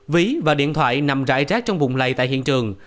ví và điện thoại nằm rải rác trong vùng lầy tại hiện trường